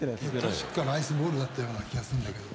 確かライスボールだったような気がするんだけど。